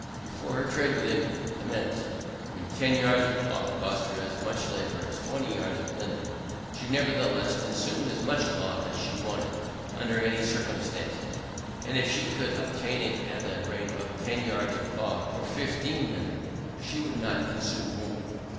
Before her trade with England commenced, when 10 yards of cloth cost her as much labour as 20 yards of linen, she nevertheless consumed as much cloth as she wanted under any circumstances, and if she could obtain it at the rate of 10 yards of cloth for 15 of linen, she would not consume more.